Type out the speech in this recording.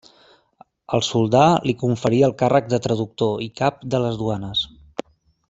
El soldà li conferí el càrrec de traductor i cap de les duanes.